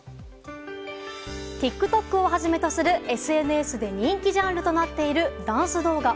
ＴｉｋＴｏｋをはじめとするＳＮＳで人気ジャンルとなっているダンス動画。